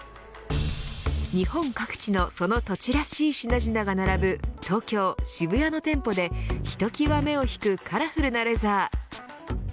日本各地のその土地らしい品々が並ぶ東京、渋谷の店舗でひときわ目をひくカラフルなレザー。